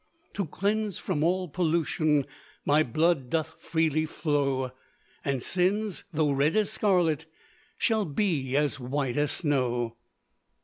"To cleanse from all pollution, My blood doth freely flow; And sins, though red as scarlet, Shall be as white as snow.